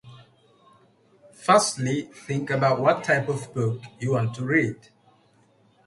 Firstly, think about what type of book you want to read.